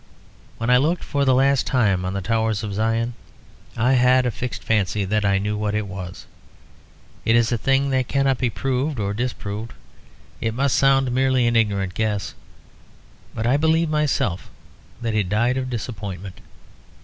When I looked for the last time on the towers of Zion I had a fixed fancy that I knew what it was. It is a thing that cannot be proved or disproved; it must sound merely an ignorant guess. But I believe myself that it died of disappointment.